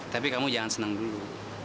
tapi kamu jangan senang dulu